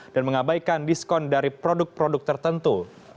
dan mengabaikan diskon dari produk produk tertentu